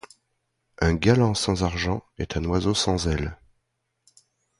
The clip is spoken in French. Un galant sans argent est un oiseau sans aile.